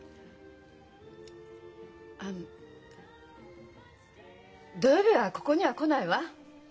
あの土曜日はここには来ないわ。